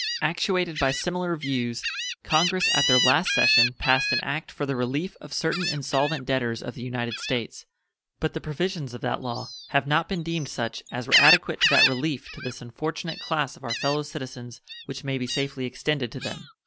Actuated by similar views, Congress at their last session passed an act for the relief of certain insolvent debtors of the United States, but the provisions of that law have not been deemed such as were adequate to that relief to this unfortunate class of our fellow citizens which may be safely extended to them.